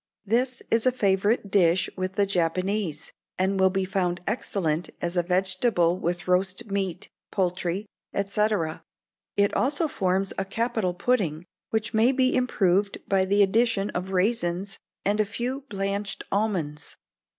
This is a favourite dish with the Japanese, and will be found excellent as a vegetable with roast meat, poultry, &c. It also forms a capital pudding, which may be improved by the addition of raisins, and a few blanched almonds.